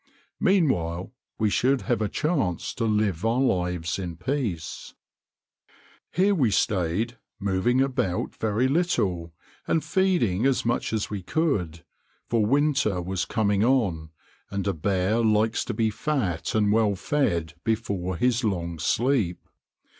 Meanwhile we should have a chance to live our lives in peace. Here we stayed, moving about very little, and feeding as much as we could; for winter was coming on, and a bear likes to be fat and well fed before his long sleep.